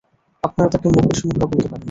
আপনারা তাকে মুকেশ মেহরা বলতে পারেন।